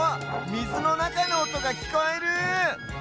みずのなかのおとがきこえる！